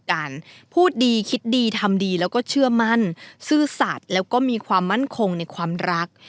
การพูดดีคิดดีทำดีแล้วก็เชื่อมั่นซื่อสัตว์แล้วก็มีความมั่นคงในความรัก